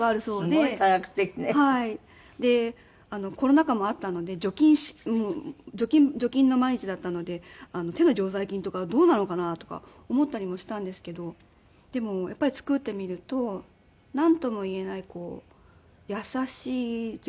すごい化学的ね。でコロナ禍もあったので除菌除菌の毎日だったので手の常在菌とかどうなのかなとか思ったりもしたんですけどでもやっぱり作ってみるとなんともいえない優しい丸い味といいますか。